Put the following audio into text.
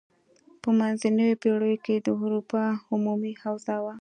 په منځنیو پیړیو کې د اروپا عمومي اوضاع وه.